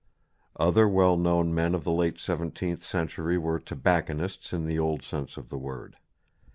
Other well known men of the late seventeenth century were "tobacconists" in the old sense of the word.